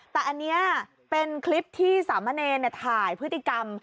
แต่อันนี้เป็นคลิปที่สามเณรถ่ายพฤติกรรม